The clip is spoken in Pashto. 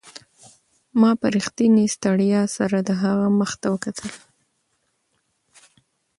ما په رښتینې ستړیا سره د هغې مخ ته وکتل.